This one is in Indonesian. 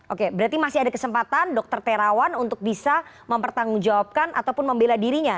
oke berarti masih ada kesempatan dokter terawan untuk bisa mempertanggungjawabkan ataupun membela dirinya